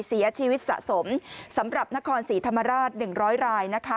เสียชีวิตสะสมสำหรับนครศรีธรรมราช๑๐๐รายนะคะ